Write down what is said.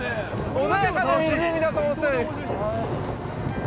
穏やかな湖だと思ってたのに。